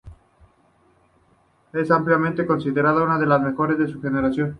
Es ampliamente considerada una de las mejores de su generación.